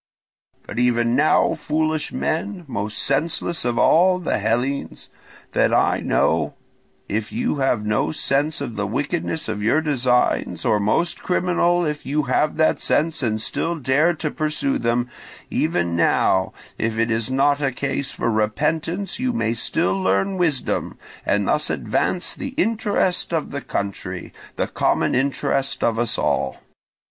"But even now, foolish men, most senseless of all the Hellenes that I know, if you have no sense of the wickedness of your designs, or most criminal if you have that sense and still dare to pursue them—even now, if it is not a case for repentance, you may still learn wisdom, and thus advance the interest of the country, the common interest of us all.